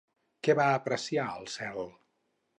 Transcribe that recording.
Què va apreciar al cel?